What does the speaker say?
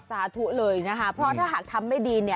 สาธุเลยนะคะเพราะถ้าหากทำไม่ดีเนี่ย